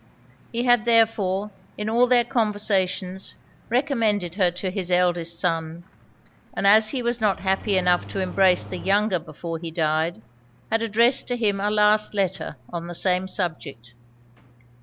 He had therefore, in all their conversations, recommended her to his eldest son; and as he was not happy enough to embrace the younger before he died, had addressed to him a last letter on the same subject.